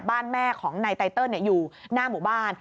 บ้านแม่ของในไตเติลอยู่หน้าหมู่บ้าน